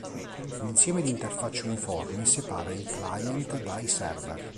Un insieme di interfacce uniformi separa i client dai server.